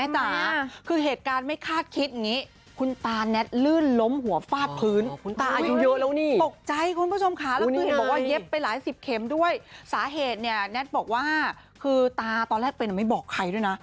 สาเหตุเนี่ยแน็ตบอกว่าคือตาตอนแรกเป็นไม่บอกใครด้วยนะ